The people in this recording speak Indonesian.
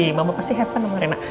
pasti mama pasti have fun sama rena